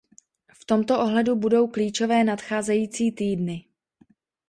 V tomto ohledu budou klíčové nadcházející týdny.